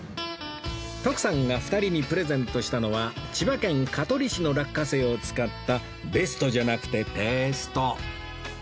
徳さんが２人にプレゼントしたのは千葉県香取市の落花生を使ったベストじゃなくてペースト